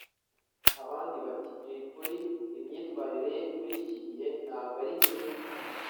abandi bati Jay Polly imyitwarire ye muri iki gihe ntabwo ari myiza